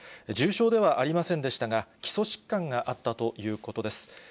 重症ではありませんでしたが、基礎疾患があったということです。